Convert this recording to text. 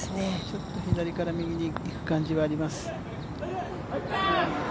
ちょっと左から右にいく感じはあります。